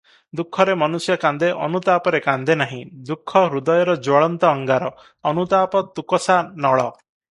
ଦୁଃଖରେ ମନୁଷ୍ୟ କାନ୍ଦେ, ଅନୁତାପରେ କାନ୍ଦେନାହିଁ, ଦୁଃଖ ହୃଦୟର ଜ୍ୱଳନ୍ତ ଅଙ୍ଗାର, ଅନୁତାପ ତୁକଷା ନଳ ।